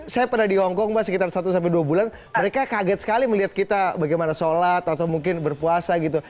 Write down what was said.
saya pernah di hongkong mbak sekitar satu dua bulan mereka kaget sekali melihat kita bagaimana sholat atau mungkin berpuasa gitu